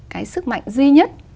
cái sức mạnh duy nhất